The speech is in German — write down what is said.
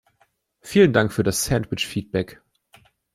Vielen Dank für das Sandwich-Feedback!